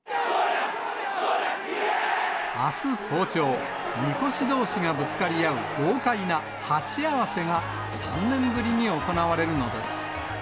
あす早朝、みこしどうしがぶつかり合う、豪快な鉢合わせが３年ぶりに行われるのです。